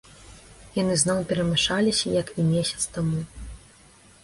Яны зноў перамяшаліся як і месяц таму.